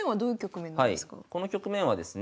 この局面はですね